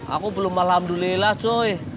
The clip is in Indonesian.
aku belum alhamdulillah cuy